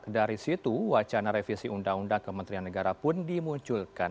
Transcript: dari situ wacana revisi undang undang kementerian negara pun dimunculkan